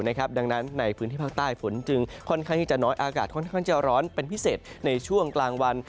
ดังนั้นในพื้นที่ภาคใต้ฝนจึงค่อนข้างที่จะน้อยอากาศค่อนข้างจะร้อนเป็นพิเศษในช่วงกลางวัน